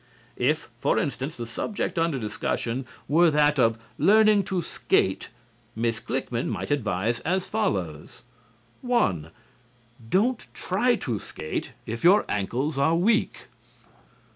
If, for instance, the subject under discussion were that of learning to skate, Miss Klickmann might advise as follows: 1. Don't try to skate if your ankles are weak.